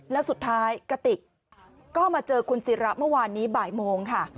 แล้วสุดท้ายกติกก็มาเจอคุณศิระเมื่อวานนี้บ่ายโมงค่ะ